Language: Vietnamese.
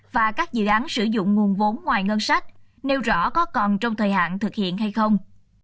và các dự án sử dụng nguồn vốn ngoài ngân sách nêu rõ có còn trong thời hạn thực hiện hay không